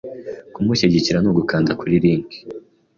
Kumushyigikira ni ugukanda kuri link,